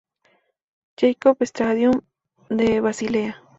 Jakob Stadium de Basilea.